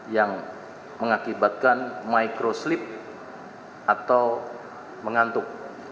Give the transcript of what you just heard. yang mengakibatkan micro slip atau mengantuk